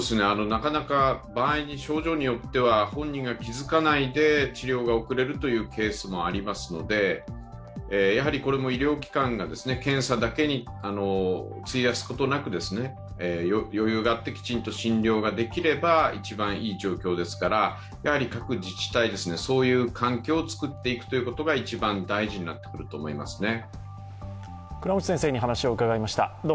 なかなか症状によっては本人が気づかないで治療が遅れるというケースもありますので、これも医療機関が検査だけに費やすことなく、余裕があってきちんと診療ができれば一番いい状況ですから、各自治体、そういう環境を作っていくということが一番大事になってくると思いますね。